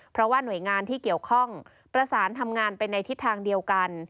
เพราะว่าหน่วยงานที่เกี่ยวข้องประสานทำงานไปในทิศทางเดียวกัน